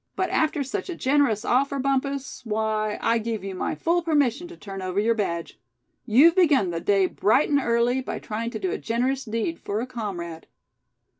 But after such a generous offer, Bumpus, why, I give you my full permission to turn over your badge. You've begun the day bright and early, by trying to do a generous deed for a comrade."